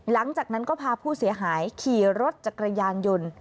หลังจากนั้นก็พาผู้เสียหายขี่รถจักรยานยนต์